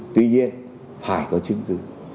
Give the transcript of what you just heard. tuy nhiên phải có chính quyền